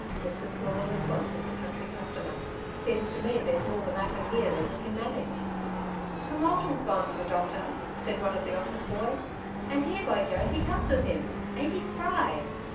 " was the cooler response of the country customer. '* Seems to me there^s more the matter here than we can manage." " Tom Alton's gone for the doctor,^' said one of the oflSce boys, '' and here, by Jove, he comes with him. Ain't he spry